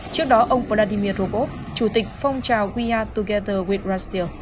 trước đó ông vladimir rogov chủ tịch phong trào we are together with russia